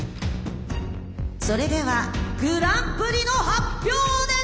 ・それではグランプリの発表です！